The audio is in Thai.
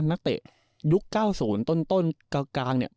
นักเตะยุค๙๐ต้นกลางเนี่ย